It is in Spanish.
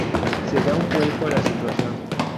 Se da un vuelco en la situación.